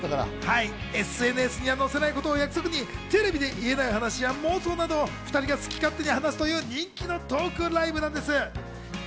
ＳＮＳには載せないことを約束にテレビで言えない話や妄想などを２人が好き勝手に話すという人気のトークライブなんでございます。